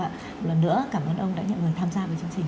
một lần nữa cảm ơn ông đã nhận người tham gia với chương trình